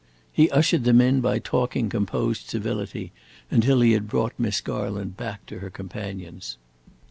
He ushered them in by talking composed civility until he had brought Miss Garland back to her companions.